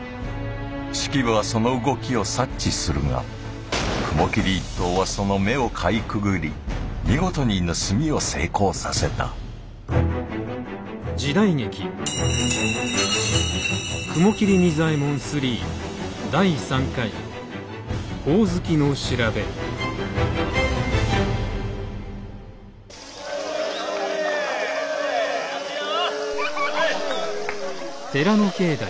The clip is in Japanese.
式部はその動きを察知するが雲霧一党はその目をかいくぐり見事に盗みを成功させた安いよ！